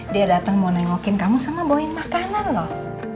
dia datang mau nengokin kamu sama bawain makanan loh